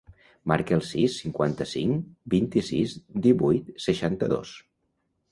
Marca el sis, cinquanta-cinc, vint-i-sis, divuit, seixanta-dos.